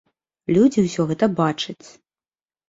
Людзі ўсё гэта бачаць.